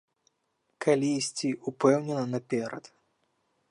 Калі ісці ўпэўнена наперад.